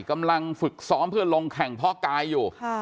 กำลังฝึกซ้อมเพื่อลงแข่งพ่อกายอยู่